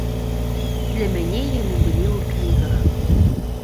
Для мяне яны былі ў кнігах.